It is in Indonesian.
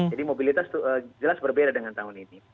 jadi mobilitas itu jelas berbeda dengan tahun ini